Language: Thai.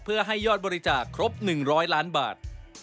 เพื่อให้ยอดบริจาคครบ๑๐๐ล้านบาท